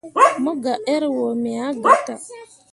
Mu gah err wo, me ah gatah.